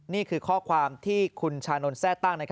นี่คือข้อความที่คุณชานนทแทร่ตั้ง